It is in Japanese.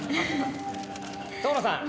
遠野さん。